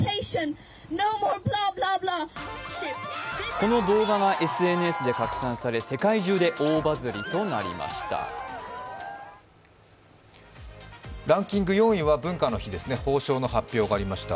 この動画がＳＮＳで拡散され世界中で大バズりとなりました。